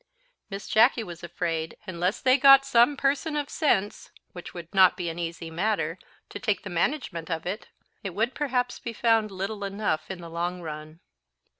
Miss Jacky was afraid, unless they got some person of sense (which would not be an easy matter) to take the management of it, it would perhaps be found little enough in the long run.